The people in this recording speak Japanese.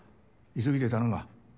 急ぎで頼むわ。